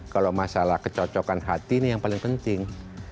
kalau masalah kecocokan hati ini yang paling penting